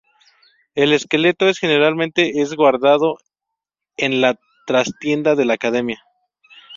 El esqueleto es generalmente es guardado en la trastienda de la Academia.